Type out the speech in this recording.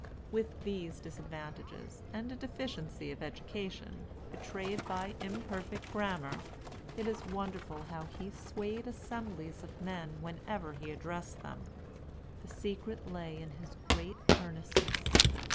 With these disadvantages, and a deficiency of education, betrayed by imperfect grammar, it is wonderful how he swayed assemblies of men whenever he addressed them. The secret lay in his great earnestness.